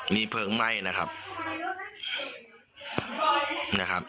นี่เผิ้ลไหม้นะครับ